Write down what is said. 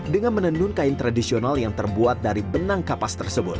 dengan menenun kain tradisional yang terbuat dari benang kapas tersebut